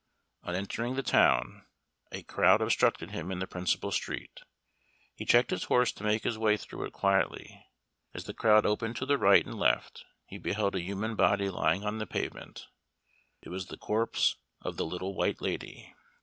On entering the town, a crowd obstructed him in the principal street. He checked his horse to make his way through it quietly. As the crowd opened to the right and left, he beheld a human body lying on the pavement. It was the corpse of the Little White Lady!